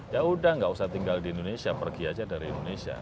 ya sudah tidak usah tinggal di indonesia pergi saja dari indonesia